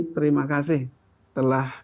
terima kasih telah